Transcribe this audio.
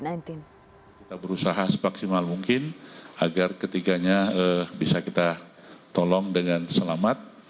kita berusaha semaksimal mungkin agar ketiganya bisa kita tolong dengan selamat